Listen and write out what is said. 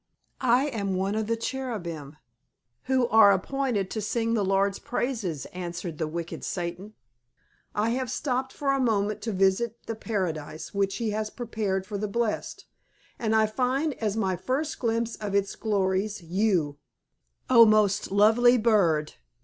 "I am one of the cherubim who are appointed to sing the Lord's praises," answered the wicked Satan. "I have stopped for a moment to visit the Paradise which He has prepared for the blest, and I find as my first glimpse of its glories you, O most lovely bird!